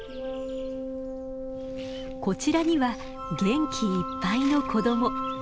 こちらには元気いっぱいの子供。